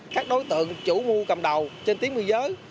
các đối tượng chủ ngu cầm đầu trên tiếng nguyên giới